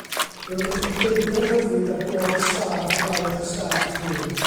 Yr ydych yn pleidio rhyddid ar bob ystâd heblaw eich ystâd eich hun.